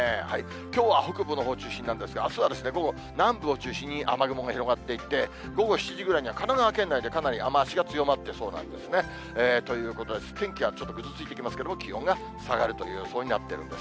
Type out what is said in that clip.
きょうは北部のほうが中心なんですが、あすは午後、南部を中心に、雨雲が広がっていって、午後７時ぐらいには、神奈川県内でかなり雨足が強まってそうなんですね。ということで、天気はちょっとぐずついてきますけれども、気温は下がるという予想になっているんです。